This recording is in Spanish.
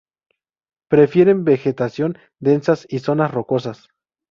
Prefieren vegetación densa y zonas rocosas.